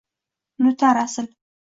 Unutar asl